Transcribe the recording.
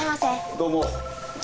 どうも。